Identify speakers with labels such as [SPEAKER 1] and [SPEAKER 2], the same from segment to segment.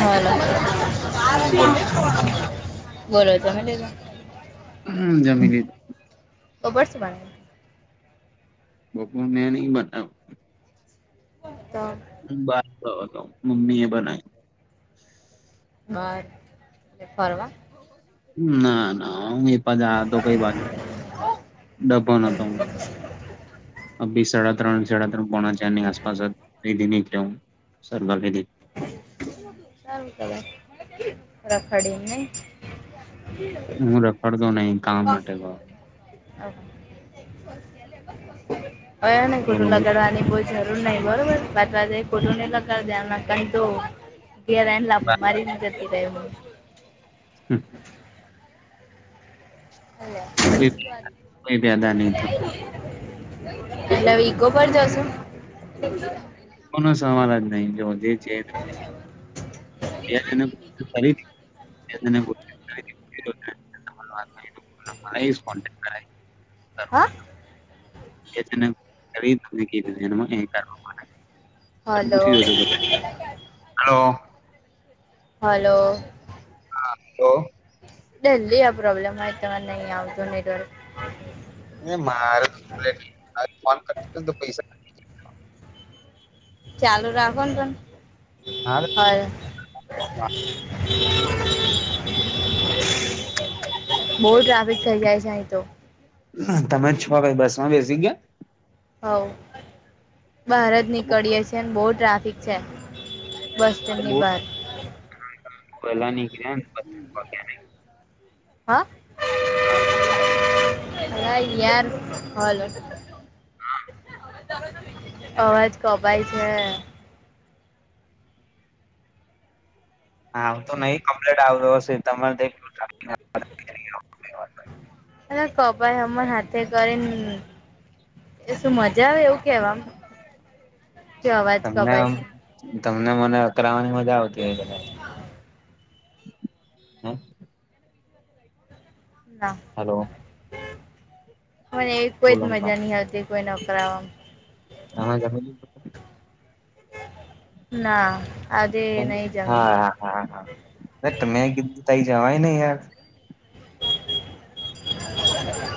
[SPEAKER 1] Hello hello.
[SPEAKER 2] હમ બોલો.
[SPEAKER 1] બોલો જમી લીધું?
[SPEAKER 2] હમ્મ જમી લી
[SPEAKER 1] ખબર છે મને.
[SPEAKER 2] બપોર મેં નહીં બનાયુ.
[SPEAKER 1] તો?
[SPEAKER 2] હું બાર ગયો તો મમ્મીએ બનાઈ.
[SPEAKER 1] હ ફરવા.
[SPEAKER 2] ના ના. જા તો કઈ વા ડભો નતો અ બી સડક ત્રણ સડા ત્રણ કોના અને આસપાસ ફેદી નીકળ સર્વ ફેદી
[SPEAKER 1] ચાર કર રખાડીને.
[SPEAKER 2] હું રખડતો નહી કામ માટે બ
[SPEAKER 1] ન
[SPEAKER 2] બોલો
[SPEAKER 1] કુટું લ
[SPEAKER 2] બોલો
[SPEAKER 1] ઘર જરૂર નહી બરોબર બાતવાઈ ફોટું નહી લકાર દેના કાર તો. ગને લ
[SPEAKER 2] બા-
[SPEAKER 1] મરી ને જતી જ.
[SPEAKER 2] હા. કોઈ કોઈ પેદા નહી
[SPEAKER 1] હરે
[SPEAKER 2] થયો
[SPEAKER 1] [unintelligible] એટલે વીકો પરજ છો?
[SPEAKER 2] કો સવાલ જ નહી જો જે છે. એરી [unintelligible] કોેક્ટ કર છે [unintelligible]
[SPEAKER 1] હા
[SPEAKER 2] [unintelligible] કીધી એ કર
[SPEAKER 1] હલો
[SPEAKER 2] પૂછી જજો હલો.
[SPEAKER 1] હલો.
[SPEAKER 2] હાલો.
[SPEAKER 1] ડલી આ પ્રોબ્લેમ તમારે નહી આવતું ને.
[SPEAKER 2] એ મારે ફન પૈસા [unintelligible]
[SPEAKER 1] ચાલુ રાખોન પણ.
[SPEAKER 2] હા.
[SPEAKER 1] ઘર [unintelligible] બહ ટ્રાફિક થઈ જાય છે અહી તો.
[SPEAKER 2] તમે જ છો કઈ બસ માં બેસી ગયા?
[SPEAKER 1] હ બહાર જ નીકળયે છીએ ને બહુ ટ્રાફિક છે. બસ તેમની બાર.
[SPEAKER 2] પહેલા નીકળ્યા
[SPEAKER 1] હા?
[SPEAKER 2] હા [unintelligible]
[SPEAKER 1] અલા યાર હલો. અવાજ કપાય છે.
[SPEAKER 2] હા તો નહી કમ્પ્લીટ આવ્યો હશે, તમારે
[SPEAKER 1] હ કભાઈ અમર હાથે કરીને. એ શું મજા આવે એવું કેવામ.
[SPEAKER 2] તમને
[SPEAKER 1] છે
[SPEAKER 2] તમને મને અકરાવાની મજા આવતી હોય કદાચ. હા.
[SPEAKER 1] ના
[SPEAKER 2] હલો.
[SPEAKER 1] મને એવી કોઈ જ
[SPEAKER 2] બોલો બોલો
[SPEAKER 1] મજા નહી આવતી કોઈ નોકરાવામાં.
[SPEAKER 2] હા [unintelligible]
[SPEAKER 1] ના. આજે નહીં જમી
[SPEAKER 2] હા હા હા, તમે કીધું તઈ જવાય નહી યાર.
[SPEAKER 1] [inaudible]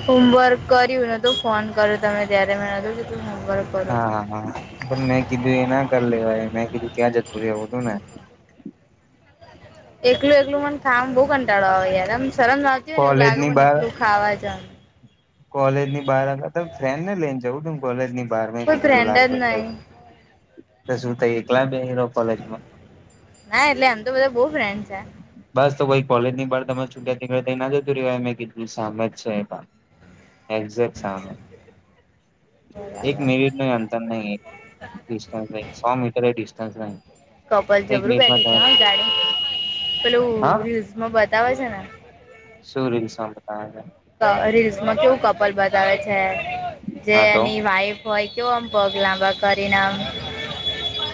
[SPEAKER 1] હોમવર્ક કર્યું નોતું ફોન કર્યું તમે ત્યારે મેં નતું કે તું હોમવર્ક. કરું
[SPEAKER 2] હા
[SPEAKER 1] છું
[SPEAKER 2] હા હા પણ મેં કીધું એ ના કરી લેવા મેં કીધું ત્યાં જતું રહવું હતું ને.
[SPEAKER 1] એકલું એકલું મને ખા બહુ કંટાળવાય મ શરમ નાતી હોય ને એવું
[SPEAKER 2] કોલેજ
[SPEAKER 1] લાગે
[SPEAKER 2] ની
[SPEAKER 1] મને એકલું ખાવા જામ.
[SPEAKER 2] કોલેજ ની બહાર આવ ત ફ્રેન્ડ ને લઈને જઉું ત કોલેજ ની બાર
[SPEAKER 1] કોઈ
[SPEAKER 2] કીધું તું
[SPEAKER 1] ફ્રેન્ડ જ નહીં
[SPEAKER 2] લાલભાઈાઈ, તો શું થ એકલા બે કોલેજમાં?
[SPEAKER 1] ના એટલેમ તો બધા બહુ ફ્રેન્ડ છે.
[SPEAKER 2] બસ તો કોઈ કોલેજ ની બાર તમે છૂટ્યા નીકળ ના જતું રહેવાય મે કીધું સામે જ છે એક્ઝેક સામે એક
[SPEAKER 1] બરાબર
[SPEAKER 2] મિનિટ નું અંતર નહી ડિસ નહિ સો મીટર ડિસ્ટન્સ હે
[SPEAKER 1] તો પછી જબરું બેઠે છે ગાડી પેલું
[SPEAKER 2] હા
[SPEAKER 1] યુઝમાં બતાવે છે ને
[SPEAKER 2] શું રિક્ષામાં ગયા તા
[SPEAKER 1] હા રીલ્સમાં કેવું કપલ બતાવે છે જે
[SPEAKER 2] હા તો
[SPEAKER 1] એની વાઈફ હોય કેવો આમ પગ લાબા કરી આમ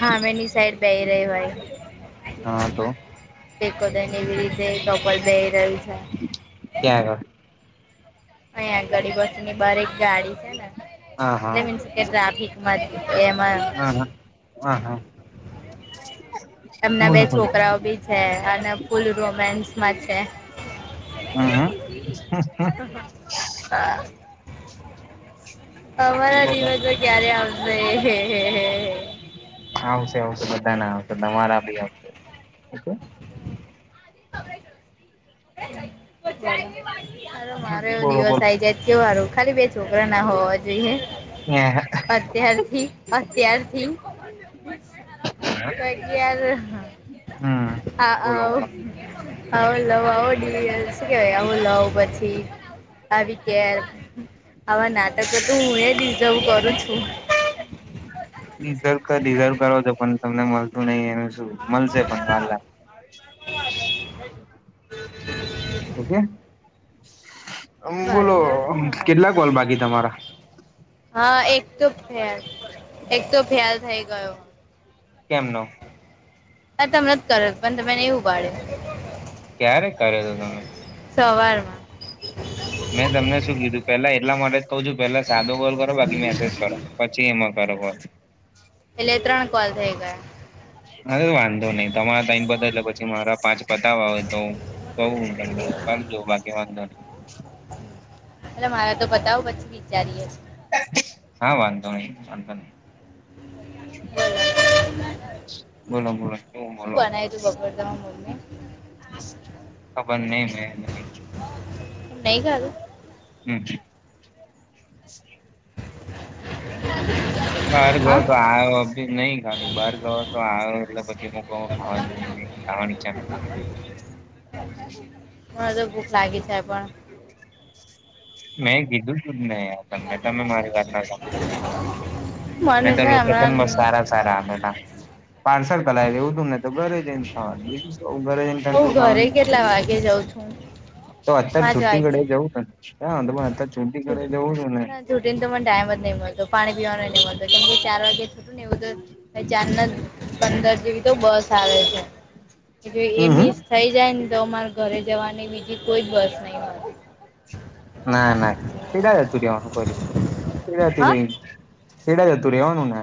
[SPEAKER 1] હા મેની સાઈડ બેય રહી હોય
[SPEAKER 2] હા તો
[SPEAKER 1] ટેકો દઈને એવી રીતે કપલ બેઈ રહ્યું છે.
[SPEAKER 2] ક્યાં આગળ
[SPEAKER 1] અહીંયા ગરીબોની બાર એક ગાડી છે ને એટલે
[SPEAKER 2] આગળ
[SPEAKER 1] મીન્સ કે ટ્રાફિકમાં એમાં
[SPEAKER 2] હા હા હા હા.
[SPEAKER 1] એમના બે
[SPEAKER 2] બોલો બોલો
[SPEAKER 1] છોકરાઓ બી છે અને ફૂલ રોમાન્સમાં છે.
[SPEAKER 2] હા હા હમ્મ હમ્મ.
[SPEAKER 1] અમારા દિવસો ક્યારે આવશે હે હે હે
[SPEAKER 2] આવશે આવશે બધા ના આવશે તમારા બી આવશે ઓકે
[SPEAKER 1] [unintelligible] અ મારો
[SPEAKER 2] હમ
[SPEAKER 1] એવો
[SPEAKER 2] બોલો
[SPEAKER 1] દિવસ
[SPEAKER 2] બોલો
[SPEAKER 1] આઈ જાય કેવારું ખાલી બે છોકરા ના હોવા જોઈએ.
[SPEAKER 2] ઈ યા
[SPEAKER 1] અત્યારથી અત્યારથી અગિયાર
[SPEAKER 2] હમ
[SPEAKER 1] હ આ અ
[SPEAKER 2] બોલો બોલો
[SPEAKER 1] આઓ લવ આવો કેવાય આવું લવ પછી આવી કે આવા નાટકો તો હું એ રીઝ કરું છું
[SPEAKER 2] રિઝર્વ કર રિઝર્વ કરો છો પણ તમને મળતું નહી એનું શું મળશે પણ વાર
[SPEAKER 1] [inaudible]
[SPEAKER 2] ઓકે હમ્મ
[SPEAKER 1] ભારે
[SPEAKER 2] બોલો
[SPEAKER 1] ને ભારે કોના
[SPEAKER 2] કેટલા
[SPEAKER 1] હાથ
[SPEAKER 2] કોલ બાકી તમારા
[SPEAKER 1] હા એક તો ફેલ એક તો ફેલ થઈ ગયો
[SPEAKER 2] કેમ નો
[SPEAKER 1] મે તમને જ કર્યો પણ તમે નઈ ઉપાડયો.
[SPEAKER 2] ક્યારે કર્યો તો તમે
[SPEAKER 1] સવારમાં
[SPEAKER 2] મેં તમને શું કીધું પેલા એટલા માટે જ કહું છું પેલા સાદો કોલ કરો બાકી મેસેજ કરો જી એમાં બરોબર
[SPEAKER 1] એટલે ત્રણ કોલ થઈ ગયા.
[SPEAKER 2] અરે વાંધો નહિ તમારા ટાઈમ પતે એટલે પછી મારા પાંચ પતાવા હોય તો કવું હુ બધુ કામ જો બાકી વાંધો નહીં.
[SPEAKER 1] એટલે મારે તો બતાવ પછી વિચારીએ
[SPEAKER 2] હા વાંધો નહી વાંધો નહી.
[SPEAKER 1] [unintelligible]
[SPEAKER 2] બોલો બોલો શું બોલો?
[SPEAKER 1] બનાવ્યું તું બપોર તમારા મમ્મી
[SPEAKER 2] ખબર નહી મેહી
[SPEAKER 1] નહીં ખાધું
[SPEAKER 2] હમ્મ. [inaudible]
[SPEAKER 1] હ [unintelligible]
[SPEAKER 2] બહાર ગયો તો આવ્યો નઈ ખાધ બહાર ગયો તો આવ્યો એટલે પછી હું કઉ ખાવા જઉ. આવાની ઈચ્છા
[SPEAKER 1] મારે ભૂખ લાગી છે પણ
[SPEAKER 2] મેં કીધું શું છે યાર. મને તમે મારી વાતના તો મે
[SPEAKER 1] મને છે ને
[SPEAKER 2] લોકેશન
[SPEAKER 1] હમણાં
[SPEAKER 2] મસ્ત સારા સારા આદેના પાર્સલ કરાય લેવું તુંને તો ઘરે જઈ ખાવા ઈજ તો ધરે. ઠંડુ
[SPEAKER 1] હું ઘરે
[SPEAKER 2] ખાવા
[SPEAKER 1] કેટલા
[SPEAKER 2] થઈ,
[SPEAKER 1] વાગે જાઉં છું
[SPEAKER 2] તો અત્યારે
[SPEAKER 1] પાંચ
[SPEAKER 2] છુટ્ટી ઘડે
[SPEAKER 1] વાગે
[SPEAKER 2] જવું છે ને હા તમાર અત્યાર છુટ્ટી
[SPEAKER 1] છૂટ
[SPEAKER 2] ધડે જવું જોઇએ ને
[SPEAKER 1] ના છૂટીને તો મને ટાઈમ જ નહી મળતો, પાણી પીવાનો નહી મળતો. કેમ કે ચાર વાગે ને એવું તો ચાર ના પંદર જેવી તો બસ આવે છે. જો એ
[SPEAKER 2] હમ હમ
[SPEAKER 1] મિસ થઈ જાય ને તો અમારે ઘરે જવાની બીજી કોઈ જ બસ નહી.
[SPEAKER 2] ના ના કીડા હતું, રેવાનું કર્યું હતું.
[SPEAKER 1] હા
[SPEAKER 2] ભાઈ ખેડા જતું રેવાનું ને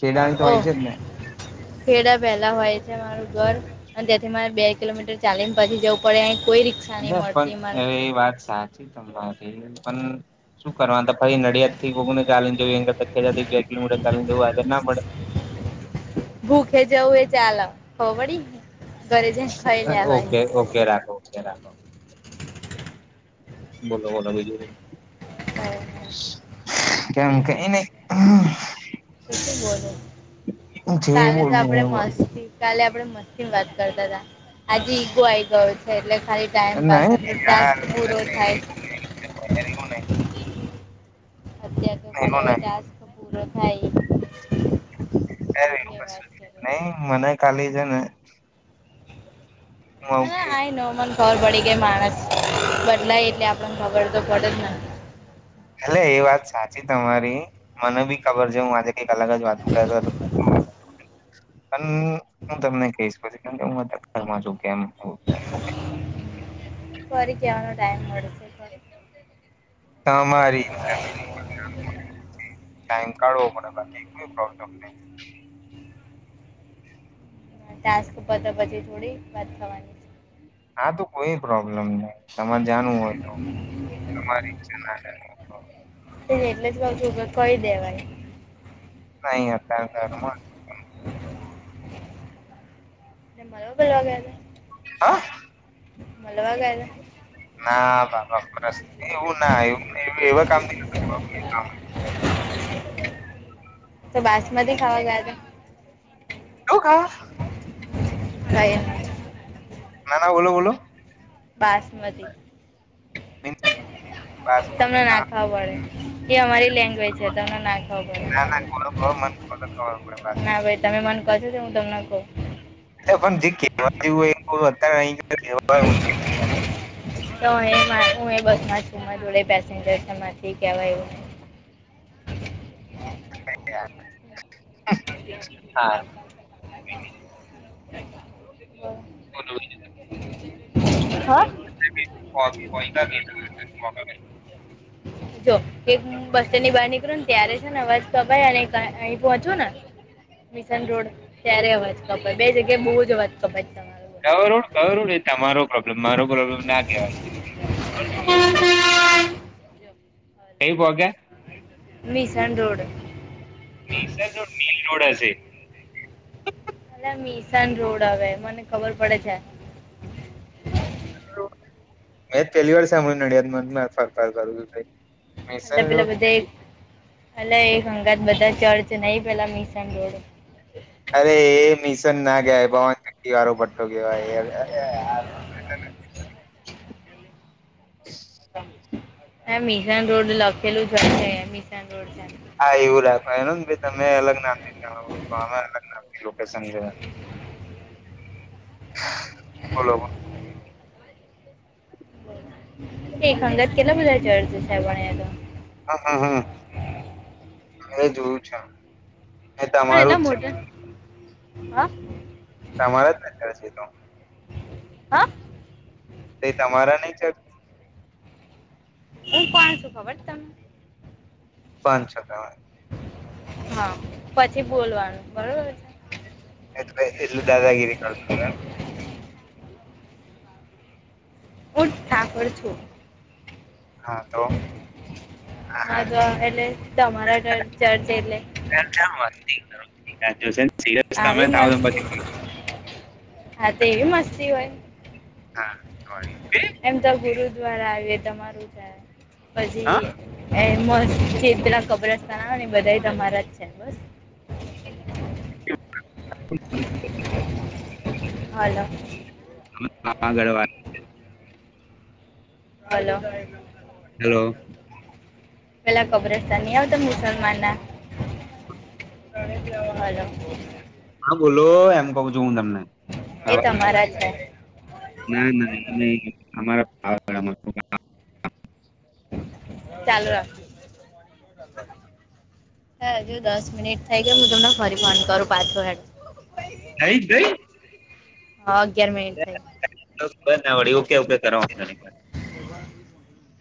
[SPEAKER 2] ખેડાની તો
[SPEAKER 1] ઓ,
[SPEAKER 2] હોય છે જ ને
[SPEAKER 1] ખેડા પહેલા હોય છે મારું ઘર. અ જેથી મારે બે કિલોમીટર ચાલીને પછી જવું પડે કોઈ રી
[SPEAKER 2] મતલબ પણ એ વાત સા પણ શું કરવા? પછી નડિયાદથી કોક ને. ચાલીને જઈ એના કરતાં ખેડા થી બે કિલો મીટર ચાલીને જઉ એ આગળ ના પડે.
[SPEAKER 1] ભૂખે જવું એ ચાલ અ, ખબર પડી? ઘરે જઈને ખાઈ લેવાય
[SPEAKER 2] ઓકે ઓકે રાખો. જરાક બોલો બોલો બીજું? કેમ કે એને
[SPEAKER 1] તો શું બોલો?
[SPEAKER 2] જે
[SPEAKER 1] કાલે તો
[SPEAKER 2] બોલવું એ
[SPEAKER 1] આપણેે
[SPEAKER 2] બોલ
[SPEAKER 1] મસ્તી કાલે આપડે મસ્તી ની વાત કરતા હતા. આજે ઈગો આઈ ગયો છે. એટલે ખાલી ટાઈમ પાસ
[SPEAKER 2] નહી
[SPEAKER 1] આપણો ટાસ્ક પૂરો થાય.
[SPEAKER 2] એરે ઈગો નહિ.
[SPEAKER 1] અત્યારે તો ખાલી હવે ટાસ્ક પૂરો થાય એ.
[SPEAKER 2] એ કશું નહી. નઈ મને ખાલી છે ને હકી [unintelligible]
[SPEAKER 1] નોમન ખબર પડી ગઈ. માણસ બદલાય એટલે આપણ ખબર તો પડેજ ને.
[SPEAKER 2] હલે એ વાત સાચી તમારી. મને બી ખબર છે હું આજે અલગ જ વાતુ કરવા ફોન. પણ હું તમને કહીશ. પછી હું છું કેમ?
[SPEAKER 1] ફરી કહેવાનો ટાઈમ મળે છે. ફરી
[SPEAKER 2] તમારી ઈચ્છા. [inaudible] ટાઈમ કાઢવો પડે કે કે કોઈ પ્રોબ્લેમ નહી.
[SPEAKER 1] ટાસ્ક પતે પછી થોડી વાત થવાની
[SPEAKER 2] હા તો કોઈ પ્રોબ્લેમ નઈ તમારે જાણું હોય તો તમારી ઈચ્છા.
[SPEAKER 1] એટલે જ કહ્યું છી કે કઈ દેવાએ.
[SPEAKER 2] નહી અતાર ધરમાં
[SPEAKER 1] ન બરોબર હાલે.
[SPEAKER 2] હા.
[SPEAKER 1] મલવા ગેયલા.
[SPEAKER 2] ના બાબા ફસ એવું ના એવું એ એવા કામ ન.
[SPEAKER 1] ત બાસમતી ખાવા ગયા તા.
[SPEAKER 2] આવું કા.
[SPEAKER 1] કાય
[SPEAKER 2] ના ના બોલો બોલો.
[SPEAKER 1] બાસમતી.
[SPEAKER 2] મીન્સ
[SPEAKER 1] તમને
[SPEAKER 2] બાસમતી
[SPEAKER 1] ના
[SPEAKER 2] કામ
[SPEAKER 1] ખબર પડે એ અમારી લેંગ્વેજ છે તમને ના ખબર
[SPEAKER 2] ના ના
[SPEAKER 1] પડે.
[SPEAKER 2] ખોલો ખોલો મને ખબર પડે બાસ.
[SPEAKER 1] હા ભાઈ તમે મને કશો હું તમને કહું.
[SPEAKER 2] અ પણ જે કવા જેવું હોય એ અત્યારે અ લવા [inaudible]
[SPEAKER 1] તો હું એ બસ માં છું મારા જોડે પેસેન્જર માંથી કેવાય એવું.
[SPEAKER 2] અ [unintelligible]
[SPEAKER 1] [unintelligible]
[SPEAKER 2] બોલો.
[SPEAKER 1] હા?
[SPEAKER 2] કોઈતા દ [unintelligible]
[SPEAKER 1] જો એક બસ સ્ટેન્ડ ની બહાર નીકળું ને ત્યારે છે ને અવાજ કપાય અને અહી પહોંચવું ને. મિશન રોડ ત્યારે અવાજ કપય બે જગ્યાએ બહુ જ અવાજ કપાય, ત
[SPEAKER 2] ગ ગ ને તમારો પ્રોબ્લેમ મારો પ્રોબ્લેમ ના કેવાય. એઈ ભોગ્યા
[SPEAKER 1] મિશન રોડ.
[SPEAKER 2] રડ મેન રોડ હશે.
[SPEAKER 1] અ મિશાન રોડ આવે મને ખબર પડે છે.
[SPEAKER 2] મે પલી વર્ષ નડિયાદ મ ફાર ફાર ચાલ.
[SPEAKER 1] અ પેલા બધા અ એક અંગાત બધા ચર્ છે ન પેલા મિશન રોડ.
[SPEAKER 2] અરે એ મિશન ના ગયા ભવાન નક્કી વારો પટ્ટો કેવાય. [inaudible]
[SPEAKER 1] હ મિશન રોડ લખેલું જ હોય છે મિશન રોડ છે.
[SPEAKER 2] હા એવું રાખવા એનું ને ભ તમે અલગ નામ ફે લ લોકેશન છે.
[SPEAKER 1] હ [inaudible]
[SPEAKER 2] હાલો.
[SPEAKER 1] એક હંગત કેલા બોધ છે અર્જુ સાહેબને તો.
[SPEAKER 2] હા હા હા, હવે જોવું છે. એ
[SPEAKER 1] પણ એલા
[SPEAKER 2] તમારું જ
[SPEAKER 1] મોટ,
[SPEAKER 2] છે
[SPEAKER 1] હા.
[SPEAKER 2] તમારા જાર છે તો.
[SPEAKER 1] હા?
[SPEAKER 2] તે તમારા નહી ચ
[SPEAKER 1] હ કોણ સુું ખબડ તમને?
[SPEAKER 2] બંધ શકાય.
[SPEAKER 1] હા પછી બોલવાનું બરોબર છે.
[SPEAKER 2] એટલે એલ્લ દાદાગીરી કળસળ.
[SPEAKER 1] ઉઠ ઠાકોર છો.
[SPEAKER 2] હા તો હા
[SPEAKER 1] અ એટલે તમારા ચર્જ એલે.
[SPEAKER 2] [unintelligible] તમે
[SPEAKER 1] આવી
[SPEAKER 2] થાવ તો પછી
[SPEAKER 1] મસ્તી હા તેવી મસ્તી હોય.
[SPEAKER 2] હા ક ઓકે.
[SPEAKER 1] એમ તો ગુરુ દ્વારા આવીએ તમારું જાય. પછી એ મસ્ ખેતના ખબરસ્તા ના ને બધા તમારા જ છે બસ. હલો.
[SPEAKER 2] હાગળવા [unintelligible]
[SPEAKER 1] હલો.
[SPEAKER 2] હેલો.
[SPEAKER 1] પેલા કબ્રસ્તાન ની આવતા મુસલમાનના.
[SPEAKER 2] હા બોલો એમ કહું છું હું તમને.
[SPEAKER 1] એ તમારા જ છે
[SPEAKER 2] ના ના એ નહી અમારા
[SPEAKER 1] ચાલુ રાખો. હા જો દસ મિનિટ થઇ ગયા હું તમને ફરી ફોન કરું પાછો.
[SPEAKER 2] નઈ જઈ.
[SPEAKER 1] હા અગિયાર મિનીટ થઈ.
[SPEAKER 2] [inaudible]
[SPEAKER 1] [inaudible]